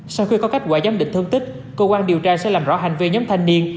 sau khi có kết quả giám định thương tích cơ quan điều tra sẽ làm rõ hành vi nhóm thanh niên